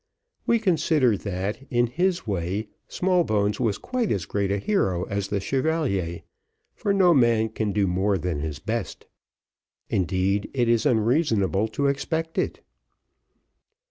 We consider that in his way, Smallbones was quite as great a hero as the Chevalier, for no man can do more than his best; indeed, it is unreasonable to expect it.